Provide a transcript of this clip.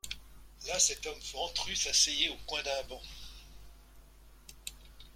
Là cet homme ventru s'asseyait au coin d'un banc.